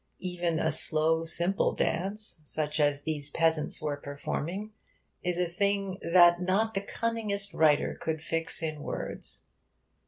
Even a slow, simple dance, such as these peasants were performing, is a thing that not the cunningest writer could fix in words.